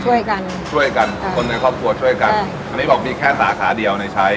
ช่วยกันคนในครอบครัวช่วยไงอันนี้บอกว่ามีแค่สาขาเดียวในชั้ย